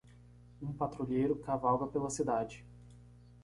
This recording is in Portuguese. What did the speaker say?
Um patrulheiro cavalga pela cidade.